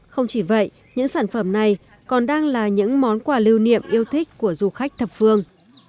không chỉ vậy những sản phẩm này còn đang là những món quà lưu niệm yêu thích của du khách thập phương